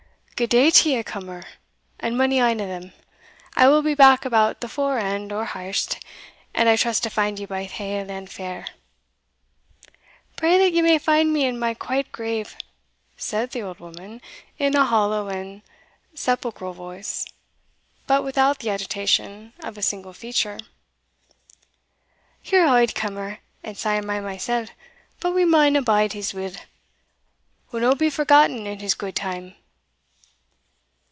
"Gude day to ye, cummer, and mony ane o' them. I will be back about the fore end o'har'st, and I trust to find ye baith haill and fere." "Pray that ye may find me in my quiet grave," said the old woman, in a hollow and sepulchral voice, but without the agitation of a single feature. "Ye're auld, cummer, and sae am I mysell; but we maun abide His will we'll no be forgotten in His good time."